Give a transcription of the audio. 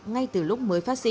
ngay từ lúc mới phát sinh